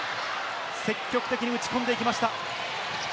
積極的に打ち込んでいきました。